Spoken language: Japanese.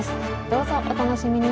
どうぞお楽しみに！